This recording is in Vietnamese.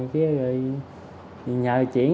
thì nhờ chuyện